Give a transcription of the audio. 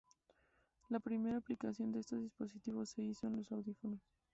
La primera aplicación de estos dispositivos se hizo en los audífonos.